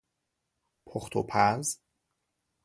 پخت و پز